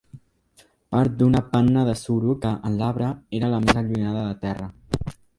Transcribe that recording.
Part d'una panna de suro que, en l'arbre, era la més allunyada de terra.